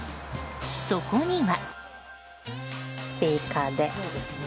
そこには。